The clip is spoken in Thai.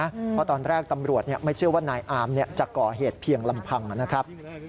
เพราะตอนแรกตำรวจไม่เชื่อว่านายอามจะก่อเหตุเพียงลำพังนะครับ